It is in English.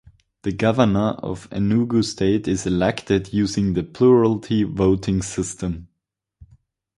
The Governor of Enugu State is elected using the plurality voting system.